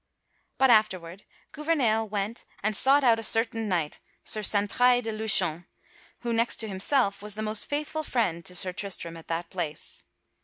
But afterward Gouvernail went and sought out a certain knight hight Sir Santraille de Lushon, who, next to himself, was the most faithful friend to Sir Tristram at that place.